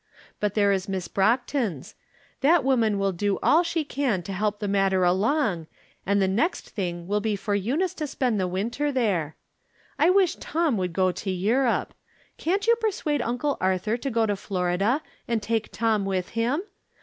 But there is Miss Brockton's. That woman will do all she can to help the matter along, and the next thing will be for Eunice to spend the winter there. I wish Tom would go to Europe. Can't you persuade Uncle Arthur to go to Florida, and take Tom with him